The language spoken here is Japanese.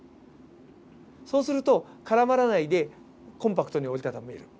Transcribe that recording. そうすると絡まらないでコンパクトに折りたためる。